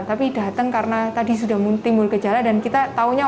tapi datang karena tadi sudah timbul gejala dan kita tahunya